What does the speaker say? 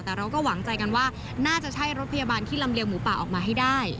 แต่เราก็หวังใจกันว่าน่าจะใช่รถพยาบาลที่ลำเลียงหมูป่าออกมาให้ได้